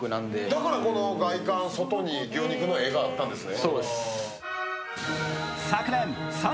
だからこの外観、外に牛肉の絵があったんですね。